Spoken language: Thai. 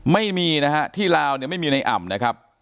ไม่มีนะฮะที่ลาวเนี่ยไม่มีในอ่ำนะครับ